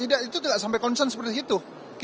tidak itu tidak sampai concern seperti itu